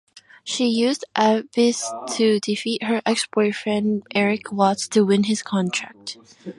She used Abyss to defeat her ex-boyfriend Erik Watts to win his contract.